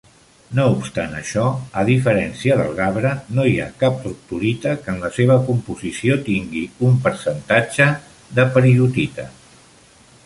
No obstant això, a diferència del gabre, no hi ha cap troctolita que en la seva composició tingui un percentatge de peridotita.